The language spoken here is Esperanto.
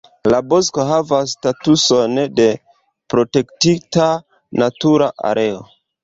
La bosko havas statuson de protektita natura areo.